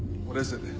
これ。